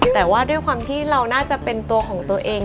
แต่ว่าด้วยความที่เราน่าจะเป็นตัวของตัวเอง